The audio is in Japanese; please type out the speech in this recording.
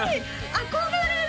憧れる！